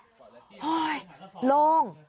โฮยโล่ง